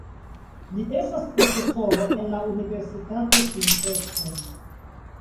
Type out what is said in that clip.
Li estas profesoro en la Universitato Princeton.